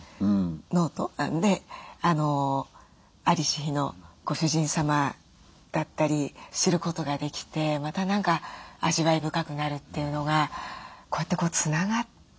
ノートで在りし日のご主人様だったり知ることができてまた何か味わい深くなるというのがこうやってつながるというかね